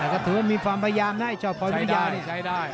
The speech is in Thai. ก็ถือว่ามีความพยายามนะไอ้เจ้าปอยพิทยา